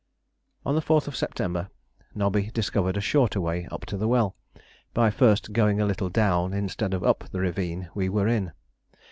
On the 4th September, Nobby discovered a shorter way up to the well, by first going a little down instead of up the ravine we were in.